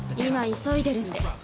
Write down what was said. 今急いでるんで。